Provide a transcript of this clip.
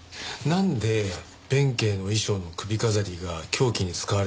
なんで弁慶の衣装の首飾りが凶器に使われたのか？